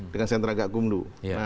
dengan sentraga kumdu